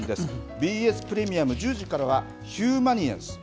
ＢＳプレミアム１０時からはヒューマニエンス。